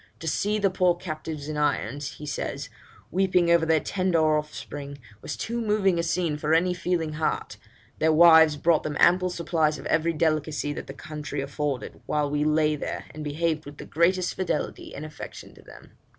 To see the poor captives in irons,' he says, 'weeping over their tender offspring, was too moving a scene for any feeling heart, Their wives brought them ample supplies of every delicacy that the country afforded, while we lay there, and behaved with the greatest fidelity and affection to them.'